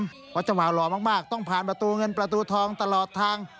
เพราะเจ้าบ่าวหล่อมากต้องผ่านประตูเงินประตูทองตลอดทาง